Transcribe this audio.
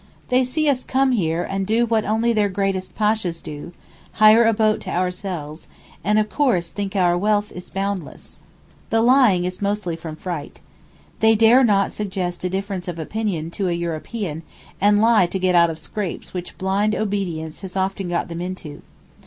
They see us come here and do what only their greatest Pashas do, hire a boat to ourselves, and, of course, think our wealth is boundless. The lying is mostly from fright. They dare not suggest a difference of opinion to a European, and lie to get out of scrapes which blind obedience has often got them into.